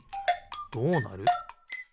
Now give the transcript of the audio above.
どうなる？